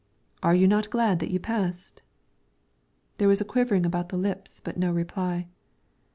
"Are you not glad that you passed?" There was a quivering about the lips but no reply.